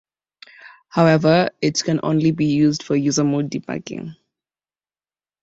However, it can only be used for user-mode debugging.